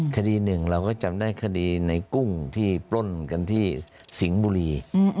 คดีหนึ่งเราก็จำได้คดีในกุ้งที่ปล้นกันที่สิงห์บุรี